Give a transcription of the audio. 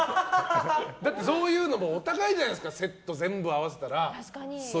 だって、そういうのもお高いじゃないですかセット、全部合わせたら。